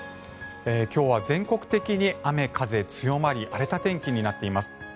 今日は全国的に雨、風強まり荒れた天気になっています。